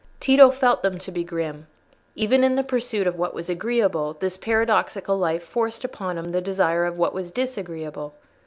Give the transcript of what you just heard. Tito felt them to be grim: even in the pursuit of what was agreeable, this paradoxical life forced upon him the desire for what was disagreeable.